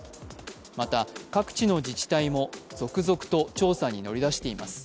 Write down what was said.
また、各地の自治体も続々と調査に乗り出しています。